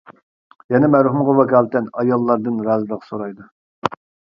يەنە مەرھۇمغا ۋاكالىتەن ئاياللاردىن رازىلىق سورايدۇ.